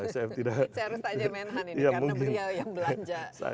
saya harus tanya menhan ini karena beliau yang belanja